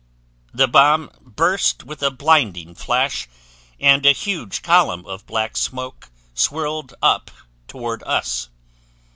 "The bomb burst with a blinding flash and a huge column of black smoke swirled up toward us.